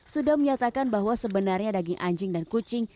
sudah menyatakan bahwa sebenarnya daging anjing dan kucing